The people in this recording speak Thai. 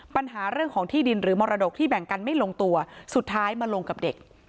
ปัญหาเรื่องของที่ดินหรือมรดกที่แบ่งกันไม่ลงตัวสุดท้ายมาลงกับเด็ก